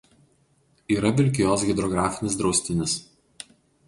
Yra Vilkijos hidrografinis draustinis.